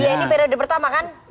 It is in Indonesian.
ya ini periode pertama kan